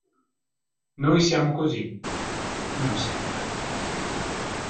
Noi siamo così (non sempre)!